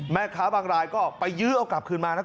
แม่ค้าบางรายก็ไปยื้อเอากลับคืนมานะครับ